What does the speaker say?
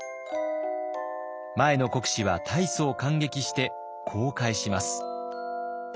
前の国司は大層感激してこう返します。